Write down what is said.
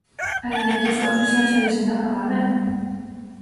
Aínda que a súa obsesión segue sendo acabar ben.